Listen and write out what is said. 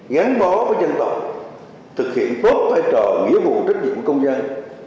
gắn bó với dân tộc thực hiện tốt vai trò nghĩa vụ trách nhiệm của công dân